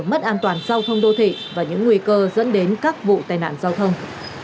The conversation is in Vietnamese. mất an toàn giao thông đô thị và những nguy cơ dẫn đến các vụ tai nạn giao thông